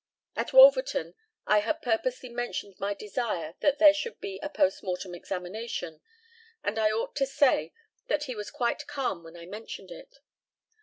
At Wolverton, I had purposely mentioned my desire that there should be a post mortem examination, and I ought to say that he was quite calm when I mentioned it.